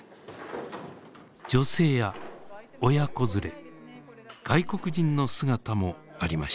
女性や親子連れ外国人の姿もありました。